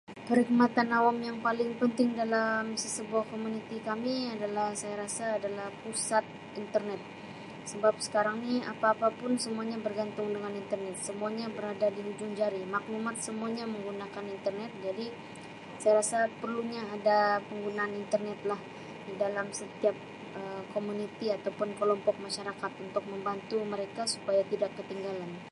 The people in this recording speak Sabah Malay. Perkhidmatan awam yang paling penting dalam sesebuah komuniti kami adalah saya rasa adalah Pusat Internet sebab sekarang ni apa apa pun semuanya bergantung dengan Internet, semuanya berada di hujung jari maklumat semuanya menggunakan Internet jadi saya rasa perlunya ada penggunaan Internet lah di dalam setiap Um komuniti atau pun kelompok masyarakat untuk membantu mereka supaya tidak ketinggalan.